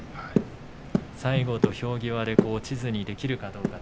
最後、土俵際で落ちずにできるかどうか。